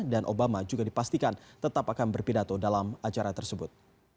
dan obama juga dipastikan tetap akan berpidato dalam acara tersebut